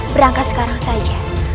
berangkat sekarang saja